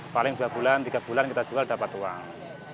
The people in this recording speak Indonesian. paling dua bulan tiga bulan kita jual dapat uang